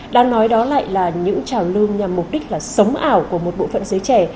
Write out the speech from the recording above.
đang nói đó lại là những trào lưu nhằm mục đích là sống ảo của một bộ phận giới trẻ